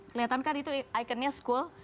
kelihatan kan itu ikonnya school